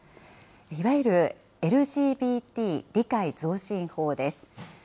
いわゆるＬＧＢＴ理解増進法です。